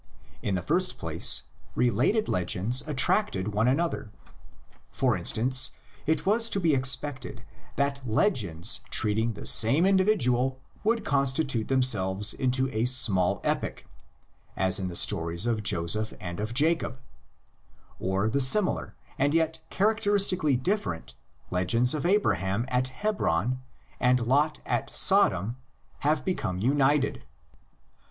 In the first place, related legends attracted one another. For instance, it was to be expected that legends treating the same individual would constitute themselves into a small epic, as in the stories of Joseph and of Jacob; or the similar, and yet characteristically different, legends of Abraham at Hebron and Lot at Sodom have become united.